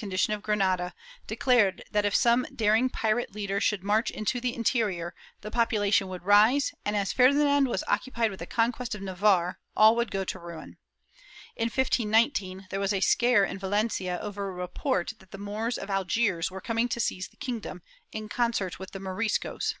Chap II] CONSPIRACIES 385 condition of Granada, declared that if some daring pirate leader should march into the interior, the population would rise and, as Ferdinand was occupied with the conquest of Navarre, all would go to ruin/ In 1519, there was a scare in Valencia over a report that the Moors of Algiers were coming to seize the kingdom, in concert with the Moriscos.